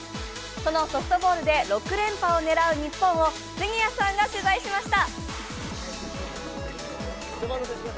そのソフトボールで６連覇を狙う日本を杉谷さんが取材しました。